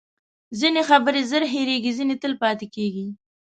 ځینې خبرې زر هیرېږي، ځینې تل پاتې کېږي.